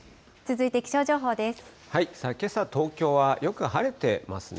けさ、東京はよく晴れてますね。